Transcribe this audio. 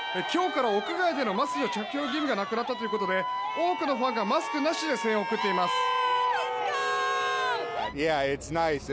今日から屋外でのマスク着用義務がなくなったということで多くのファンがマスクなしで声援を送っています。